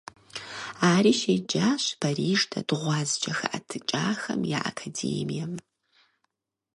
Ари щеджащ Париж дэт гъуазджэ хэӀэтыкӀахэм я Академием.